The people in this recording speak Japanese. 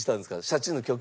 シャチの曲。